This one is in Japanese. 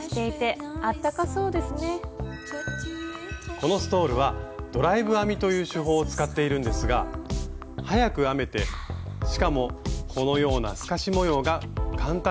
このストールはドライブ編みという手法を使っているんですが速く編めてしかもこのような透かし模様が簡単にできるんですよ。